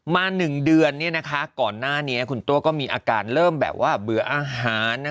มา๑เดือนก่อนหน้านี้คุณตัวก็มีอาการเริ่มแบบว่าเบื่ออาหาร